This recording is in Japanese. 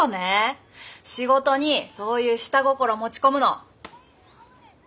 仕事にそういう下心持ち込むの。